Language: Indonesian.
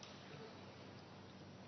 ini perlu saya kemukakan dan saya terima kasih